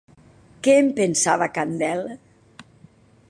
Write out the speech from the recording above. Què en pensava Candel?